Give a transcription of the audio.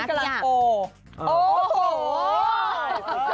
ชีวิตกำลังโอ